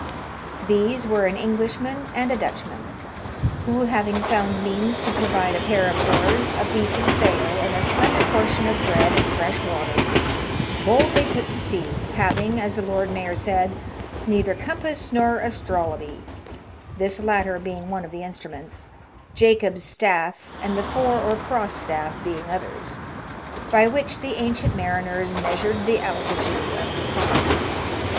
These were an Englishman and a Dutchman, who, having found means to provide a pair of oars, a piece of sail, and a slender portion of bread and fresh water, boldly put to sea, having, as the Lord Mayor said, '' neither compass nor astrolabe," this latter being one of the instruments — Jacob's staff and the fore or cross staff being others — ^by which the ancient mariners measured the altitude of the sun.